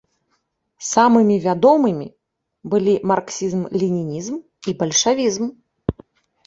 Самым вядомымі былі марксізм-ленінізм і бальшавізм.